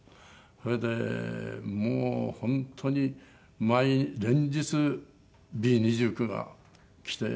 それでもう本当に連日Ｂ２９が来て。